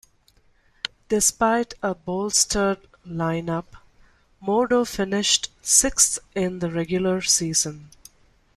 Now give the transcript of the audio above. Despite a bolstered lineup, Modo finished sixth in the regular season.